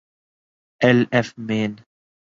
oil of main